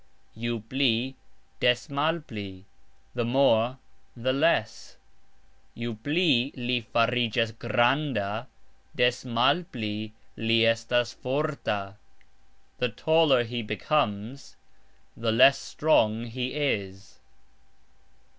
"Ju pli...des malpli", the more...the less: "Ju pli li farigxas granda, des malpli li estas forta", The taller he becomes, the less strong he is.